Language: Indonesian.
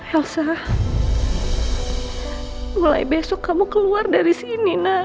elsa mulai besok kamu keluar dari sini